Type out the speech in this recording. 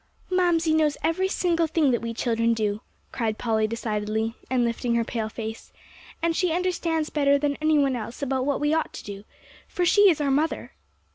"Mamsie knows every single thing that we children do," cried Polly decidedly, and lifting her pale face; "and she understands better than any one else about what we ought to do, for she is our mother."